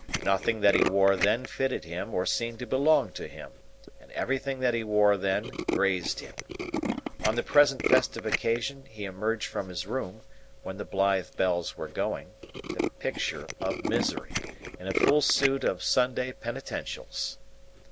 Nothing that he wore then fitted him or seemed to belong to him; and everything that he wore then grazed him. On the present festive occasion he emerged from his room, when the blithe bells were going, the picture of misery, in a full suit of Sunday penitentials.